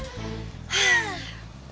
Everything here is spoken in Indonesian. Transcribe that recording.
eh eh dok